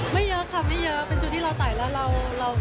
ไม่เยอะค่ะไม่เยอะเป็นชุดที่เราใส่แล้ว